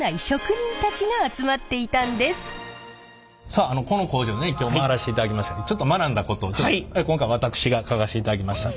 さあこの工場ね今日回らしていただきましたけどちょっと学んだことを今回私が書かせていただきました。